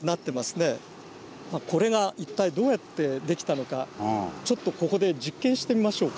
これが一体どうやってできたのかちょっとここで実験してみましょうか。